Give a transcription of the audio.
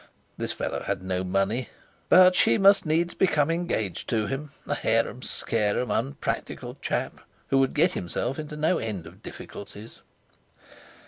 This fellow had no money, but she must needs become engaged to him—a harumscarum, unpractical chap, who would get himself into no end of difficulties.